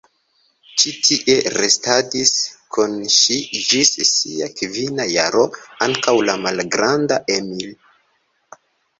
Ĉi tie restadis kun ŝi ĝis sia kvina jaro ankaŭ la malgranda Emil.